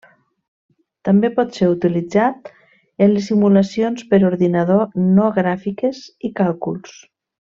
També pot ser utilitzat en les simulacions per ordinador no gràfiques i càlculs.